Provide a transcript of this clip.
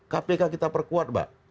kpk kita perkuat